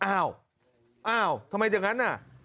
อ้าวทำไมจังงั้นน่ะ